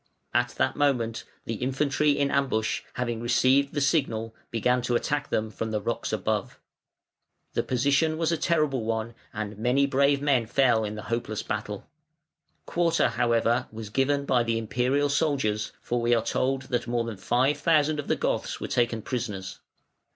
At that moment the infantry in ambush, having received the signal, began to attack them from the rocks above. The position was a terrible one, and many brave men fell in the hopeless battle. Quarter, however, was given by the Imperial soldiers, for we are told that more than five thousand of the Goths were taken prisoners.